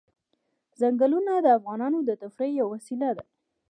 ځنګلونه د افغانانو د تفریح یوه وسیله ده.